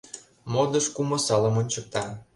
Модыш кум осалым ончыкта.